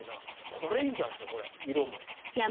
これいいんじゃないですか色も。